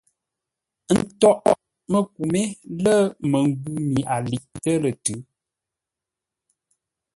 Ə́ ntôghʼ məku mé lə̂ məngwʉ̂ mi a liʼtə́ lə̂ tʉ̌.